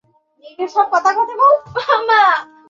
ছোটখাটো কি, কি?